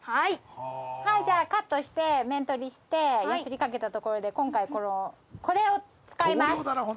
じゃあカットして面取りしてヤスリかけたところで今回このこれを使います。